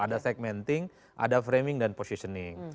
ada segmenting ada framing dan positioning